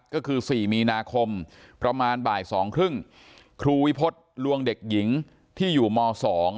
ก็คือ๔มีนาคมประมาณบ่ายสองครึ่งครูวิพฤษลวงเด็กหญิงที่อยู่ม๒